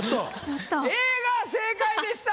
Ａが正解でした。